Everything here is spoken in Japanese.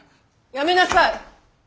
やめなさい！